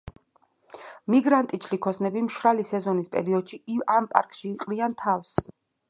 მიგრანტი ჩლიქოსნები მშრალი სეზონის პერიოდში ამ პარკში იყრიან თავს.